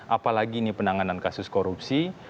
apalagi ini penanganan kasus korupsi